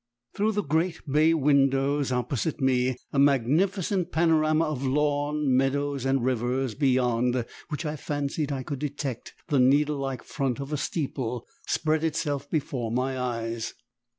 Through the great bay windows opposite me, a magnificent panorama of lawn, meadows and rivers, beyond which I fancied I could detect the needle like front of a steeple, spread itself before my eyes.